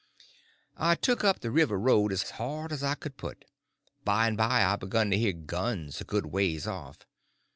I took up the river road as hard as I could put. By and by I begin to hear guns a good ways off.